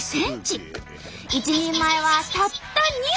一人前はたった２本！